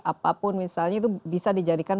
apapun misalnya itu bisa dijadikan